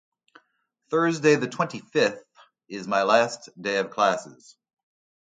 Thursday the twenty-fifth is my last day of classes.